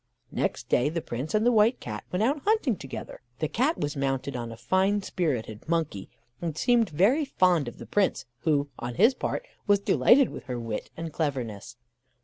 Next day, the Prince and the White Cat went out hunting together: the Cat was mounted on a fine spirited monkey, and seemed very fond of the Prince, who, on his part, was delighted with her wit and cleverness.